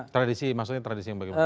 tradisi maksudnya tradisi bagaimana